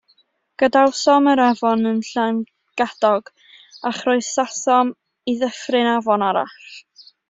Gadawsom yr afon yn Llangadog, a chroesasom i ddyffryn afon arall.